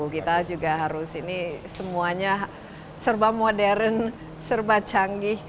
kita juga harus ini semuanya serba modern serba canggih